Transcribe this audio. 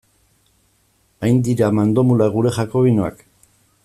Hain dira mandomulak gure jakobinoak?